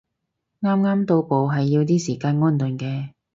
啱啱到埗係要啲時間安頓嘅